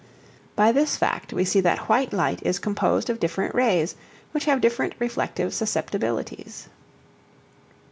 By this fact we see that white light is composed of different rays which have different reflective susceptibilities.